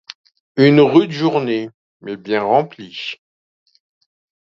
Une rude journée, mais bien remplie!